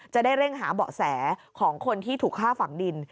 จะได้เร่งหาเบาะแสของคนที่ถูกฆ่าฝั่งดิน